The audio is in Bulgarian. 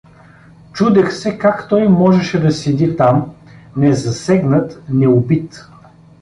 Чудех се как той можеше да седи там, незасегнат, неубит.